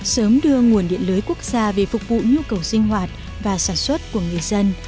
sớm đưa nguồn điện lưới quốc gia về phục vụ nhu cầu sinh hoạt và sản xuất của người dân